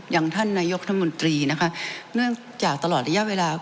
อย่างท่านนายกรัฐมนตรีนะคะเนื่องจากตลอดระยะเวลา